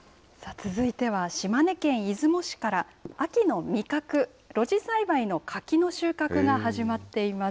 続いては島根県出雲市から、秋の味覚、露地栽培の柿の収穫が始まっています。